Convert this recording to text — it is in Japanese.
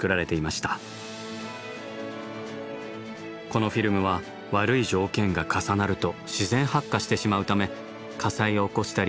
このフィルムは悪い条件が重なると自然発火してしまうためそうなんですか！